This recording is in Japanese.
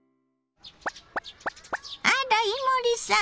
あら伊守さん。